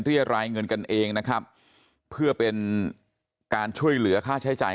รายเงินกันเองนะครับเพื่อเป็นการช่วยเหลือค่าใช้จ่าย